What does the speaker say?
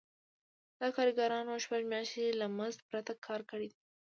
دا کارګرانو شپږ میاشتې له مزد پرته کار کړی دی